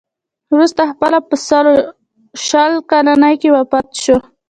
وروسته خپله په سلو شل کلنۍ کې وفات شو.